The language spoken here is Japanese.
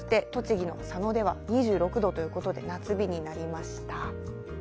栃木の佐野では２６度ということで夏日になりました。